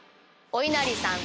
おいなりさん。